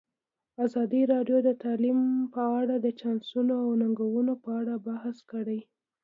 ازادي راډیو د تعلیم په اړه د چانسونو او ننګونو په اړه بحث کړی.